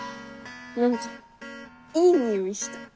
何かいい匂いした。